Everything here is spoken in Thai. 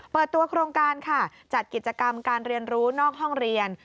เปิดตัวโครงการค่ะจัดกิจกรรมการเรียนรู้นอกห้องเรียน